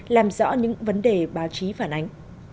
làm rõ những vấn đề báo chí phản ánh